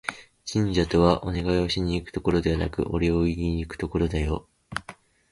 神社とは、お願いをしに行くところではなくて、お礼を言いにいくところだよ